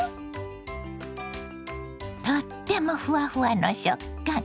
とってもふわふわの食感！